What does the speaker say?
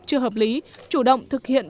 chưa hợp lý chủ động thực hiện